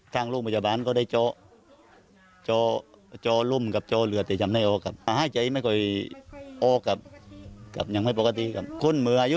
เกิดจะลงกลับออกที่ปีเนอะ